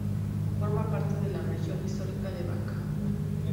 Forma parte de la región histórica de Bačka.